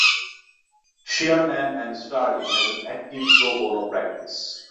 Shearman and Sterling has an active pro bono practice.